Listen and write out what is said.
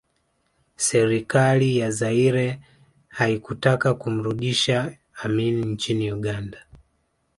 Serikali ya Zaire haikutaka kumrudisha Amin nchini Uganda